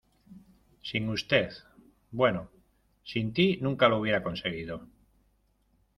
sin usted... bueno, sin ti nunca lo hubiera conseguido .